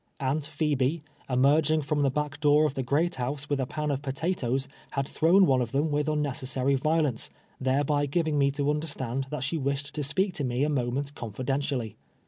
Aunt Phebe, emerging from the back door of the great house with a pan of potatoes, had thrown one of them with unnecessary violence, thereby giving me to understand that she wished to speak to me a moment confidentially.